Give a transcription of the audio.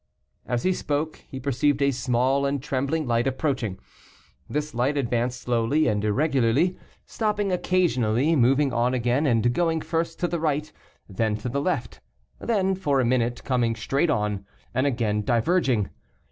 As he spoke, he perceived a small and trembling light approaching. This light advanced slowly, and irregularly, stopping occasionally, moving on again, and going first to the right, then to the left, then, for a minute, coming straight on, and again diverging.